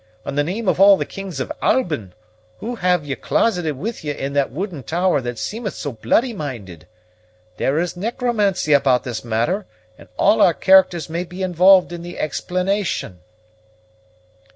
In the name of all the kings of Albin, who have ye closeted with you in that wooden tower that seemeth so bloody minded? There is necromancy about this matter, and all our characters may be involved in the explanation."